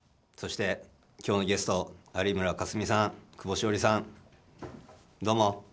「土スタ」をご覧の皆さんそして、今日のゲスト有村架純さん、久保史緒里さんどうも。